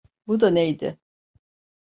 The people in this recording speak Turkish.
Bu da neydi?